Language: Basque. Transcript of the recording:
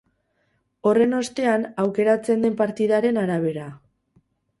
Horren ostean, aukeratzen den partidaren arabera.